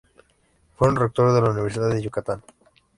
Fue rector de la Universidad de Yucatán.